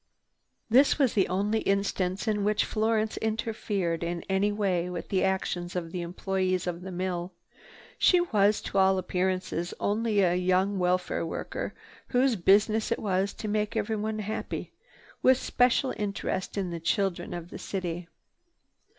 This was the only instance in which Florence interfered in any way with the actions of the employees of the mill. She was, to all appearances, only a young welfare worker whose business it was to make everyone happy, with special interest in the children of the city.